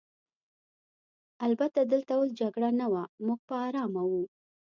البته دلته اوس جګړه نه وه، موږ په آرامه وو.